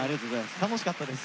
楽しかったです。